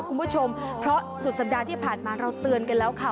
คุณผู้ชมเพราะสุดสัปดาห์ที่ผ่านมาเราเตือนกันแล้วค่ะ